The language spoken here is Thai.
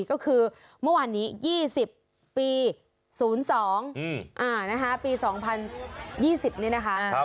ก็คือเมื่อวานนี้๒๐ปี๐๒ปี๒๐๒๐นี่นะคะ